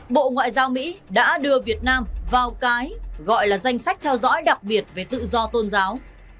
bộ ngoại giao mỹ đã đưa việt nam vào cái gọi là danh sách theo dõi đặc biệt về tự do tôn giáo